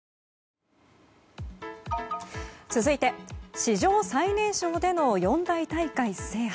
続いて史上最年少の四大大会制覇。